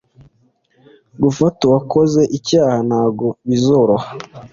gufata uwakoze icyaha ntago bizoroha